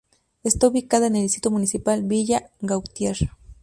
Está ubicada en el Distrito Municipal Villa Gautier.